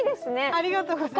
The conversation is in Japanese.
ありがとうございます。